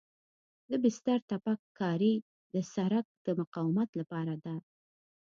د بستر تپک کاري د سرک د مقاومت لپاره ده